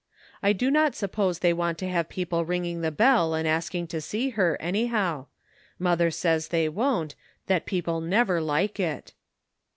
I do not suppose they want to have people ring ing the bell and asking to see her, anyhow; mother says they won't; that people never like it.'